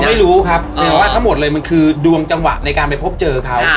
เราไม่รู้ครับหมดเลยคือดวงจังหวะในการไปพบเจอเขา